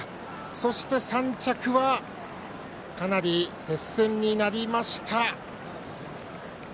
そして、３着はかなり接戦になりました。